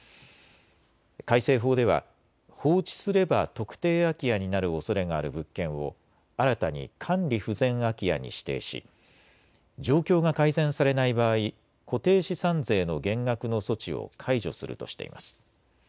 改正法では放置すれば特定空き家になるおそれがある物件を新たに管理不全空き家に指定し状況が改善されない場合、固定資産税の減額の措置を解除するとしています。